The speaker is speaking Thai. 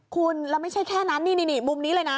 คุณแล้วไม่ใช่แค่นั้นนี่มุมนี้เลยนะ